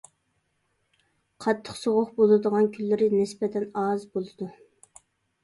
قاتتىق سوغۇق بولىدىغان كۈنلىرى نىسبەتەن ئاز بولىدۇ.